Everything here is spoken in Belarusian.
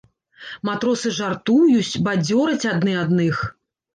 Матросы жартуюць, бадзёраць адны адных.